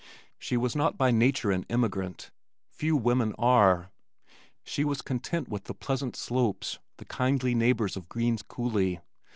She was not by nature an emigrant, few women are. She was content with the pleasant slopes, the kindly neighbors of Green's Coulee.